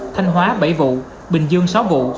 thanh hóa bảy vụ bình dương sáu vụ